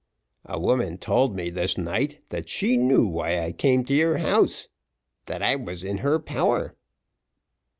"A woman told me this night that she knew why I came to your house that I was in her power."